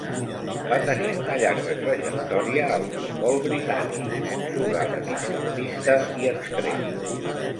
Va tenir una llarga trajectòria al futbol britànic on jugà de migcampista i extrem.